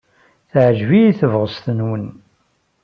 Teɛjeb-iyi tebɣest-nwen.